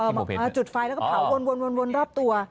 เอาสนับสนุนจุดไฟแล้วก็เผาวนรอบตัว